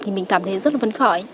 thì mình cảm thấy rất là vấn khởi